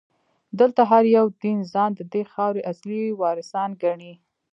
دلته هر یو دین ځان ددې خاورې اصلي وارثان ګڼي.